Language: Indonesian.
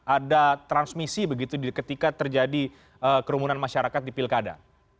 ada transmisi begitu ketika terjadi kerumunan masyarakat di pilkada